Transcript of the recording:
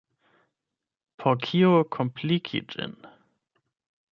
Por kio kompliki ĝin?